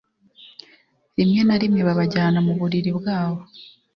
Rimwe na rimwe babajyana mu buriri bwabo